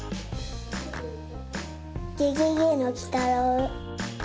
ゲゲゲのきたろう。